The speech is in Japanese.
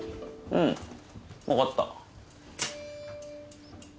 うん分かった。